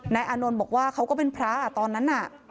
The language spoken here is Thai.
อานนท์บอกว่าเขาก็เป็นพระตอนนั้นน่ะ